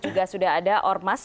juga sudah ada ormas